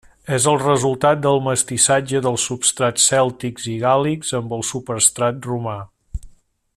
És el resultat del mestissatge dels substrats cèltics i gàl·lics amb el superstrat romà.